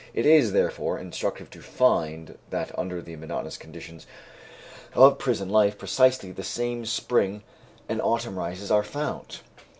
It is, therefore, instructive to find that under the monotonous conditions of prison life precisely the same spring and autumn rises are found.